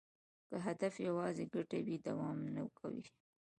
که هدف یوازې ګټه وي، دوام نه کوي.